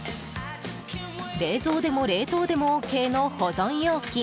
冷蔵でも冷凍でもＯＫの保存容器。